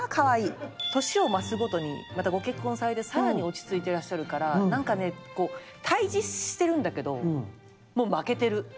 年を増すごとにまたご結婚されて更に落ち着いていらっしゃるから何かねこう対峙してるんだけどもう負けてる。